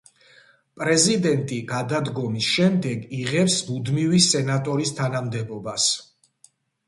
პრეზიდენტი გადადგომის შემდეგ იღებს მუდმივი სენატორის თანამდებობას.